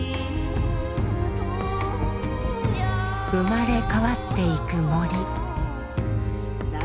生まれ変わっていく森。